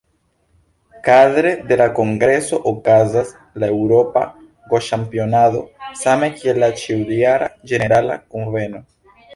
Kadre la la kongreso okazas la "Eŭropa Go-Ĉampionado", same kiel la ĉiujara Ĝenerala Kunveno.